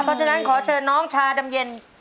เพราะฉะนั้นขอเชิญน้องชาดำเย็น